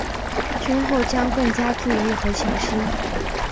今后将更加注意和小心。